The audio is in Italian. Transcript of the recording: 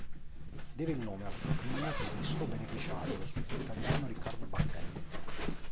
Deve il nome al suo primo, previsto, beneficiario, lo scrittore italiano Riccardo Bacchelli.